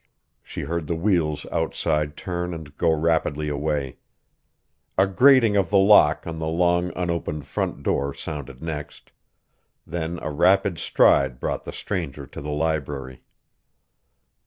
She heard the wheels outside turn and go rapidly away. A grating of the lock of the long unopened front door sounded next: then a rapid stride brought the stranger to the library!